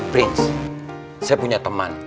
prince saya punya teman